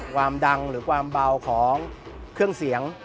ความดังหรือความเบาของเครื่องเสียง